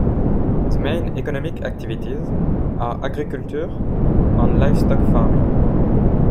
The main economic activities are agriculture and livestock farming.